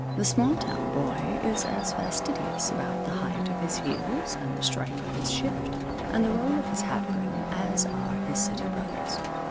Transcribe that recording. The small town boy is as fastidious about the height of his heels and the stripe of his shift and the roll of his hat brim as are his city brothers.